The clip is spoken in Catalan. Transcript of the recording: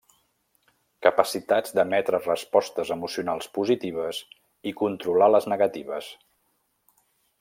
Capacitats d'emetre respostes emocionals positives i controlar les negatives.